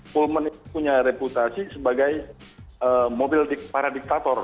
pulman itu punya reputasi sebagai mobil para diktator